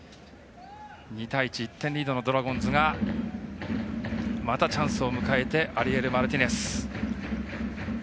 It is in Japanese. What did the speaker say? ２対１、１点リードのドラゴンズまたチャンスを迎えてアリエル・マルティネス。